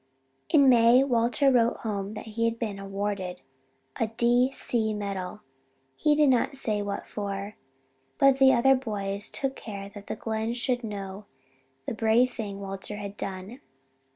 In May Walter wrote home that he had been awarded a D.C. Medal. He did not say what for, but the other boys took care that the Glen should know the brave thing Walter had done.